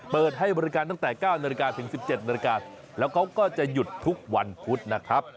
เปิดให้บริการตั้งแต่๙๑๗บริการแล้วเขาก็จะหยุดทุกวันพุธนะครับ